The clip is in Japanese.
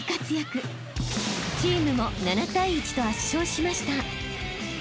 ［チームも７対１と圧勝しました］